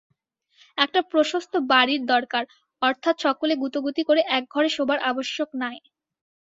একটা প্রশস্ত বাটীর দরকার, অর্থাৎ সকলে গুঁতোগুঁতি করে একঘরে শোবার আবশ্যক নাই।